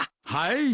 はい。